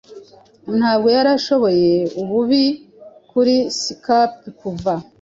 Ntabwo yari ashoboye ububi kuri scape kuva